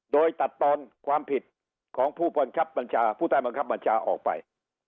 โดยตัดตอนความผิดของผู้ปัญชาผู้ใต้ปัญชาออกไป